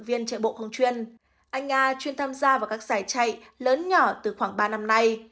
viên chạy bộ không chuyên anh nga chuyên tham gia vào các giải chạy lớn nhỏ từ khoảng ba năm nay